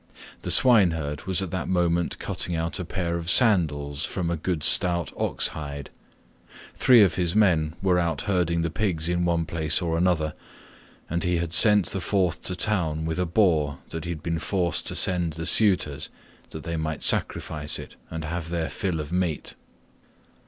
The swineherd was at that moment cutting out a pair of sandals127 from a good stout ox hide. Three of his men were out herding the pigs in one place or another, and he had sent the fourth to town with a boar that he had been forced to send the suitors that they might sacrifice it and have their fill of meat.